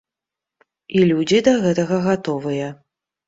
І людзі да гэтага гатовыя.